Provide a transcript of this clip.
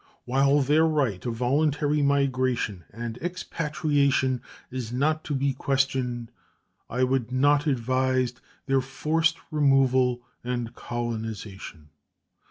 While their right of voluntary migration and expatriation is not to be questioned, I would not advise their forced removal and colonization.